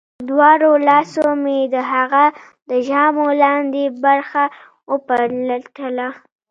په دواړو لاسو مې د هغه د ژامو لاندې برخه وپلټله